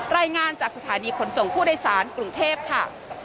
รายงานจากสถานีขนส่งผู้โดยสารกรุงเทพค่ะ